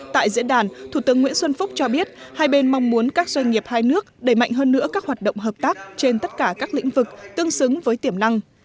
tại diễn đàn thủ tướng nguyễn xuân phúc cho biết hai bên mong muốn các doanh nghiệp hai nước đẩy mạnh hơn nữa các hoạt động hợp tác trên tất cả các lĩnh vực tương xứng với tiềm năng